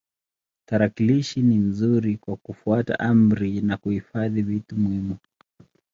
Tarakilishi ni nzuri kwa kufuata amri na kuhifadhi vitu muhimu.